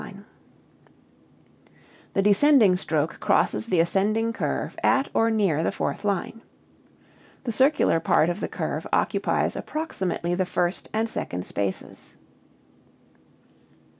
The descending stroke crosses the ascending curve at or near the fourth line. The circular part of the curve occupies approximately the first and second spaces.